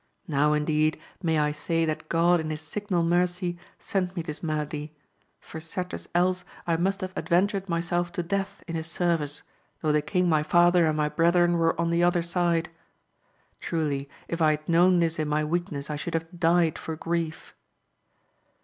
now, indeed, may I say that (Jod in his signal mercy sent me this malady ; for certes else I must have adventured myself to death in his service, though the king my father and my brethren were on tlie other side. Truly, if I had known this in my weakness I should have died for grief.